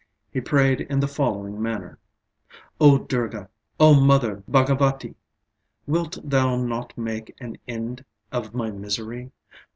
He prayed in the following manner: "O Durga! O Mother Bhagavati! wilt thou not make an end of my misery?